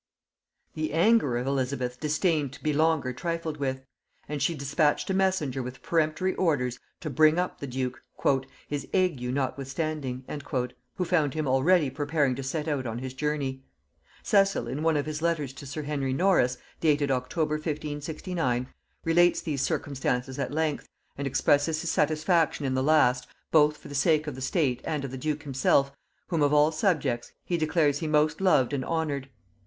The anger of Elizabeth disdained to be longer trifled with; and she dispatched a messenger with peremptory orders to bring up the duke, "his ague notwithstanding," who found him already preparing to set out on his journey. Cecil in one of his letters to sir Henry Norris, dated October 1569, relates these circumstances at length, and expresses his satisfaction in the last, both for the sake of the state and of the duke himself, whom, of all subjects, he declares he most loved and honored.